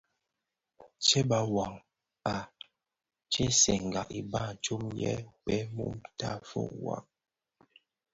Tsèba wua a ghèsèga iba tsom yè bheg mum tafog kpag.